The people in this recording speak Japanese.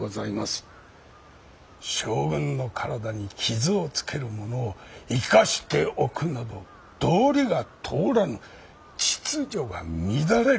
将軍の体に傷をつける者を生かしておくなど道理が通らぬ秩序が乱れると。